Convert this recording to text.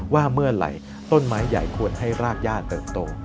ว่าเมื่อไหร่ต้นไม้ใหญ่ควรให้รากย่าเติบโต